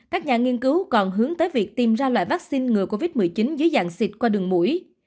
các nhà nghiên cứu còn hướng tới việc tìm ra loại vaccine ngừa covid một mươi chín dưới dạng xịt qua đường mũi